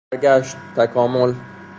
فرگشت، تکامل